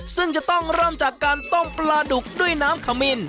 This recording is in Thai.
ซึ่งจะต้องเริ่มจากการต้มปลาดุกด้วยน้ำขมิน